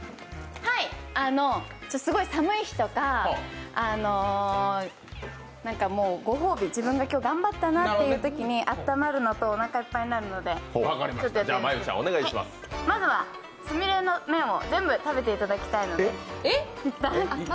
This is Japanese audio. はい、すごい寒い日とかご褒美、自分が今日頑張ったなっていうときに、暖まるのとおなかがいっぱいになるのでまずは、すみれの麺を全部食べていただきたいので。